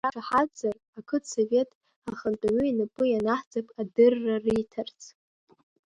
Шәақәшаҳаҭзар ақыҭсовет ахантәаҩы инапы ианаҳҵап адырра риҭарц.